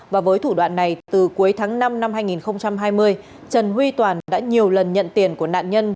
và với thủ đoạn này từ cuối tháng năm năm hai nghìn hai mươi trần huy toàn đã nhiều lần nhận tiền của nạn nhân